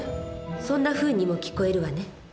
そんなふうにも聞こえるわね。